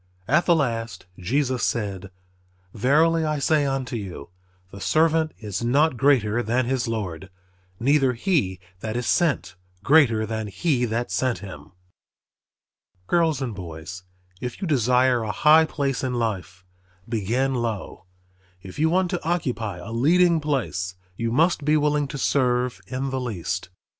At the last Jesus said, "Verily I say unto you, the servant is not greater than his Lord; neither he that is sent greater than he that sent him." Girls and boys, if you desire a high place in life, begin low. If you want to occupy a leading place you must be willing to serve in the least.